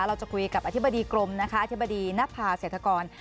เราจะคุยกับอธิบดีกรมนะคะอธิบดีณภาเศรษฐกร